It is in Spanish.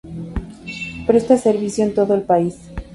Presta servicio en todo el país.